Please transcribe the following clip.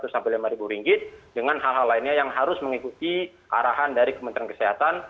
sampai rp lima dengan hal hal lainnya yang harus mengikuti arahan dari kementerian kesehatan